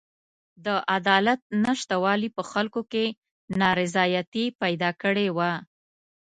د عدالت نشتوالي په خلکو کې نارضایتي پیدا کړې وه.